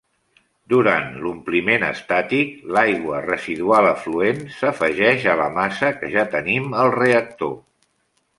Durant l'ompliment estàtic, l'aigua residual afluent s'afegeix a la massa que ja tenim al reactor.